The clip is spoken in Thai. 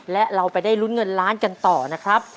และเราไปได้ลุ้นเงินล้านกันต่อนะครับ